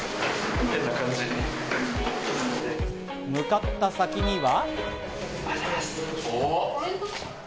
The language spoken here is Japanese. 向かった先には。